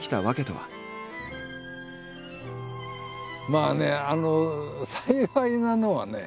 まあね幸いなのはね